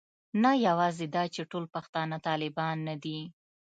نه یوازې دا چې ټول پښتانه طالبان نه دي.